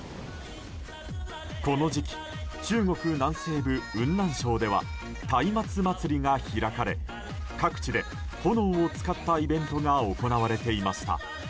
この時期、中国南西部雲南省ではたいまつ祭りが開かれ各地で炎を使ったイベントが行われていました。